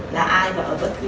là ai mà ở bất cứ